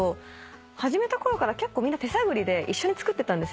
始めたころからみんな手探りで一緒に作ってたんですよ。